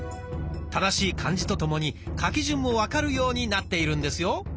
正しい漢字とともに書き順も分かるようになっているんですよ。